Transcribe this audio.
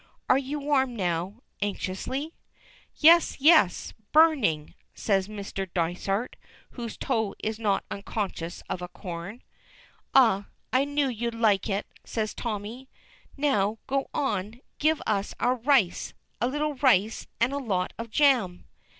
Are you warm now?" anxiously. "Yes, yes burning!" says Mr. Dysart, whose toe is not unconscious of a corn. "Ah! I knew you'd like it," says. Tommy. "Now go on; give us our rice a little rice and a lot of jam."